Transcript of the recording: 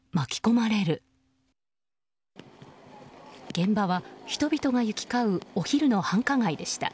現場は、人々が行き交うお昼の繁華街でした。